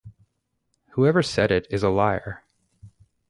Whoever said it is a liar.